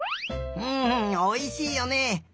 んおいしいよね！